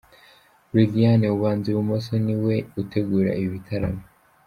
Lilian ubanza ibumoso niwe utegura ibi bitaramo.